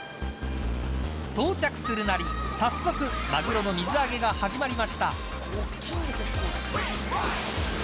到着するなり早速マグロの水揚げが始まりました。